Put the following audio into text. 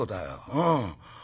うん。